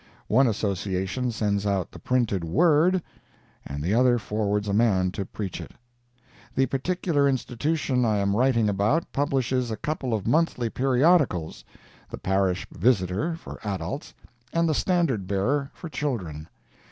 One association sends out the printed Word, and the other forwards a man to preach it. The particular institution I am writing about publishes a couple of monthly periodicals—the Parish Visitor, for adults, and the Standard Bearer, for children.